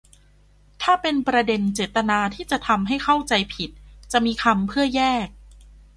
ถ้าเป็นประเด็นเจตนาที่จะทำให้เข้าใจผิด จะมีคำเพื่อแยก